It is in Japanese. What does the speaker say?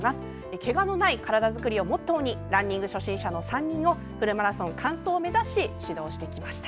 けがのない体づくりをモットーにランニング初心者の３人をフルマラソン完走を目指し指導してきました。